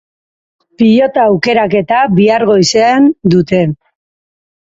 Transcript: Pilota aukeraketa bihar goizean dute.